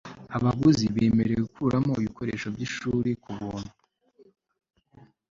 abaguzi bemerewe gukuramo ibikoresho byishuri ku buntu